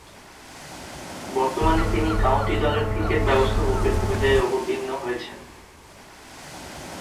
বর্তমানে তিনি কাউন্টি দলের ক্রিকেট ব্যবস্থাপকের ভূমিকায় অবতীর্ণ হয়েছেন।